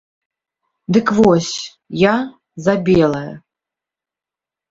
Дык вось, я за белае!